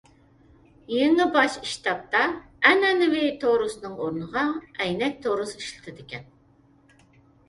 يېڭى باش ئىشتابتا ئەنئەنىۋى تورۇسنىڭ ئورنىغا ئەينەك تورۇس ئىشلىتىلىدىكەن.